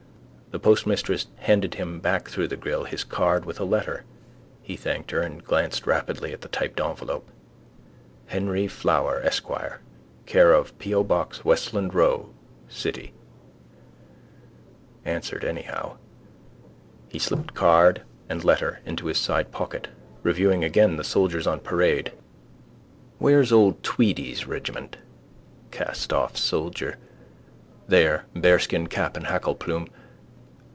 The postmistress handed him back through the grill his card with a letter. He thanked her and glanced rapidly at the typed envelope. Henry Flower Esq, c/o P. O. Westland Row, City. Answered anyhow. He slipped card and letter into his sidepocket, reviewing again the soldiers on parade. Where's old Tweedy's regiment? Castoff soldier. There: bearskin cap and hackle plume.